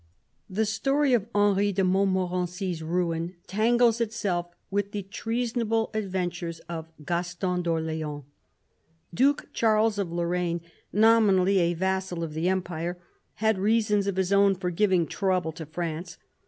The story of Henry de Montmorency's ruin tangles itself with the treasonable adventures of Gaston d'Orleans. Duke Charles of Lorraine, nominally a vassal of the Empire, had reasons of his own for giving trouble to France.